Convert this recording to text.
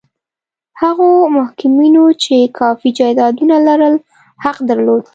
هغو محکومینو چې کافي جایدادونه لرل حق درلود.